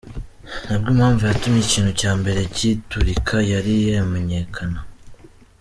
Ntabwo impamvu yatumye ikintu cya mbere giturika yari yamenyekana.